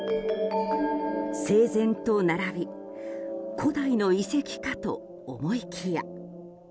整然と並び古代の遺跡かと思いきや。